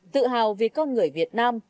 tự hào vì con người việt nam